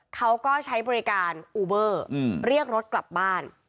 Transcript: เขาก็ใช้บริการอูเบอร์เรียกรถกลับบ้าน